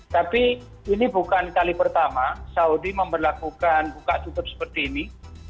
tapi ini bukan kali pertama saudi memperlakukan buka tutup seperti ini